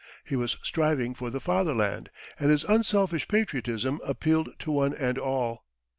He was striving for the Fatherland, and his unselfish patriotism appealed to one and all.